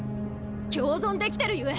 共存できてるゆえ！